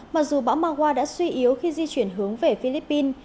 mặc dù bão mawa đã suy yếu khi di chuyển hướng về philippines